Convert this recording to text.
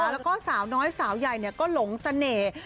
แล้วก็สาวน้อยสาวใหญ่ก็หลงเสน่ห์